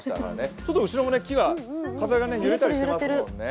ちょっと後ろも木が、風が揺れたりしていますもんね。